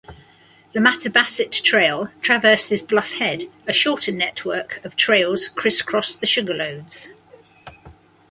The Mattabesett Trail traverses Bluff Head; a shorter network of trails criss-cross the Sugarloaves.